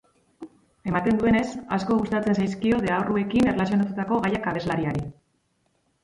Ematen duenez, asko gustatzen zaizkio deabruekin erlazionatuta gaiak abeslariari.